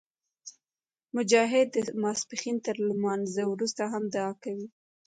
مجاهد د ماسپښین تر لمونځه وروسته هم دعا کوي.